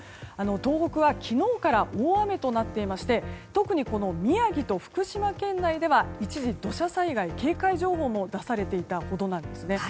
東北は昨日から大雨となっていまして特に宮城と福島県内では一時、土砂災害警戒情報も出されていたほどなんですね。